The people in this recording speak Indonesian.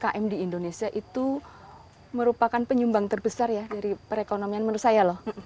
karena umkm di indonesia itu merupakan penyumbang terbesar ya dari perekonomian menurut saya loh